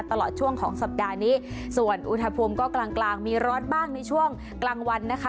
ตลอดช่วงของสัปดาห์นี้ส่วนอุณหภูมิก็กลางกลางมีร้อนบ้างในช่วงกลางวันนะคะ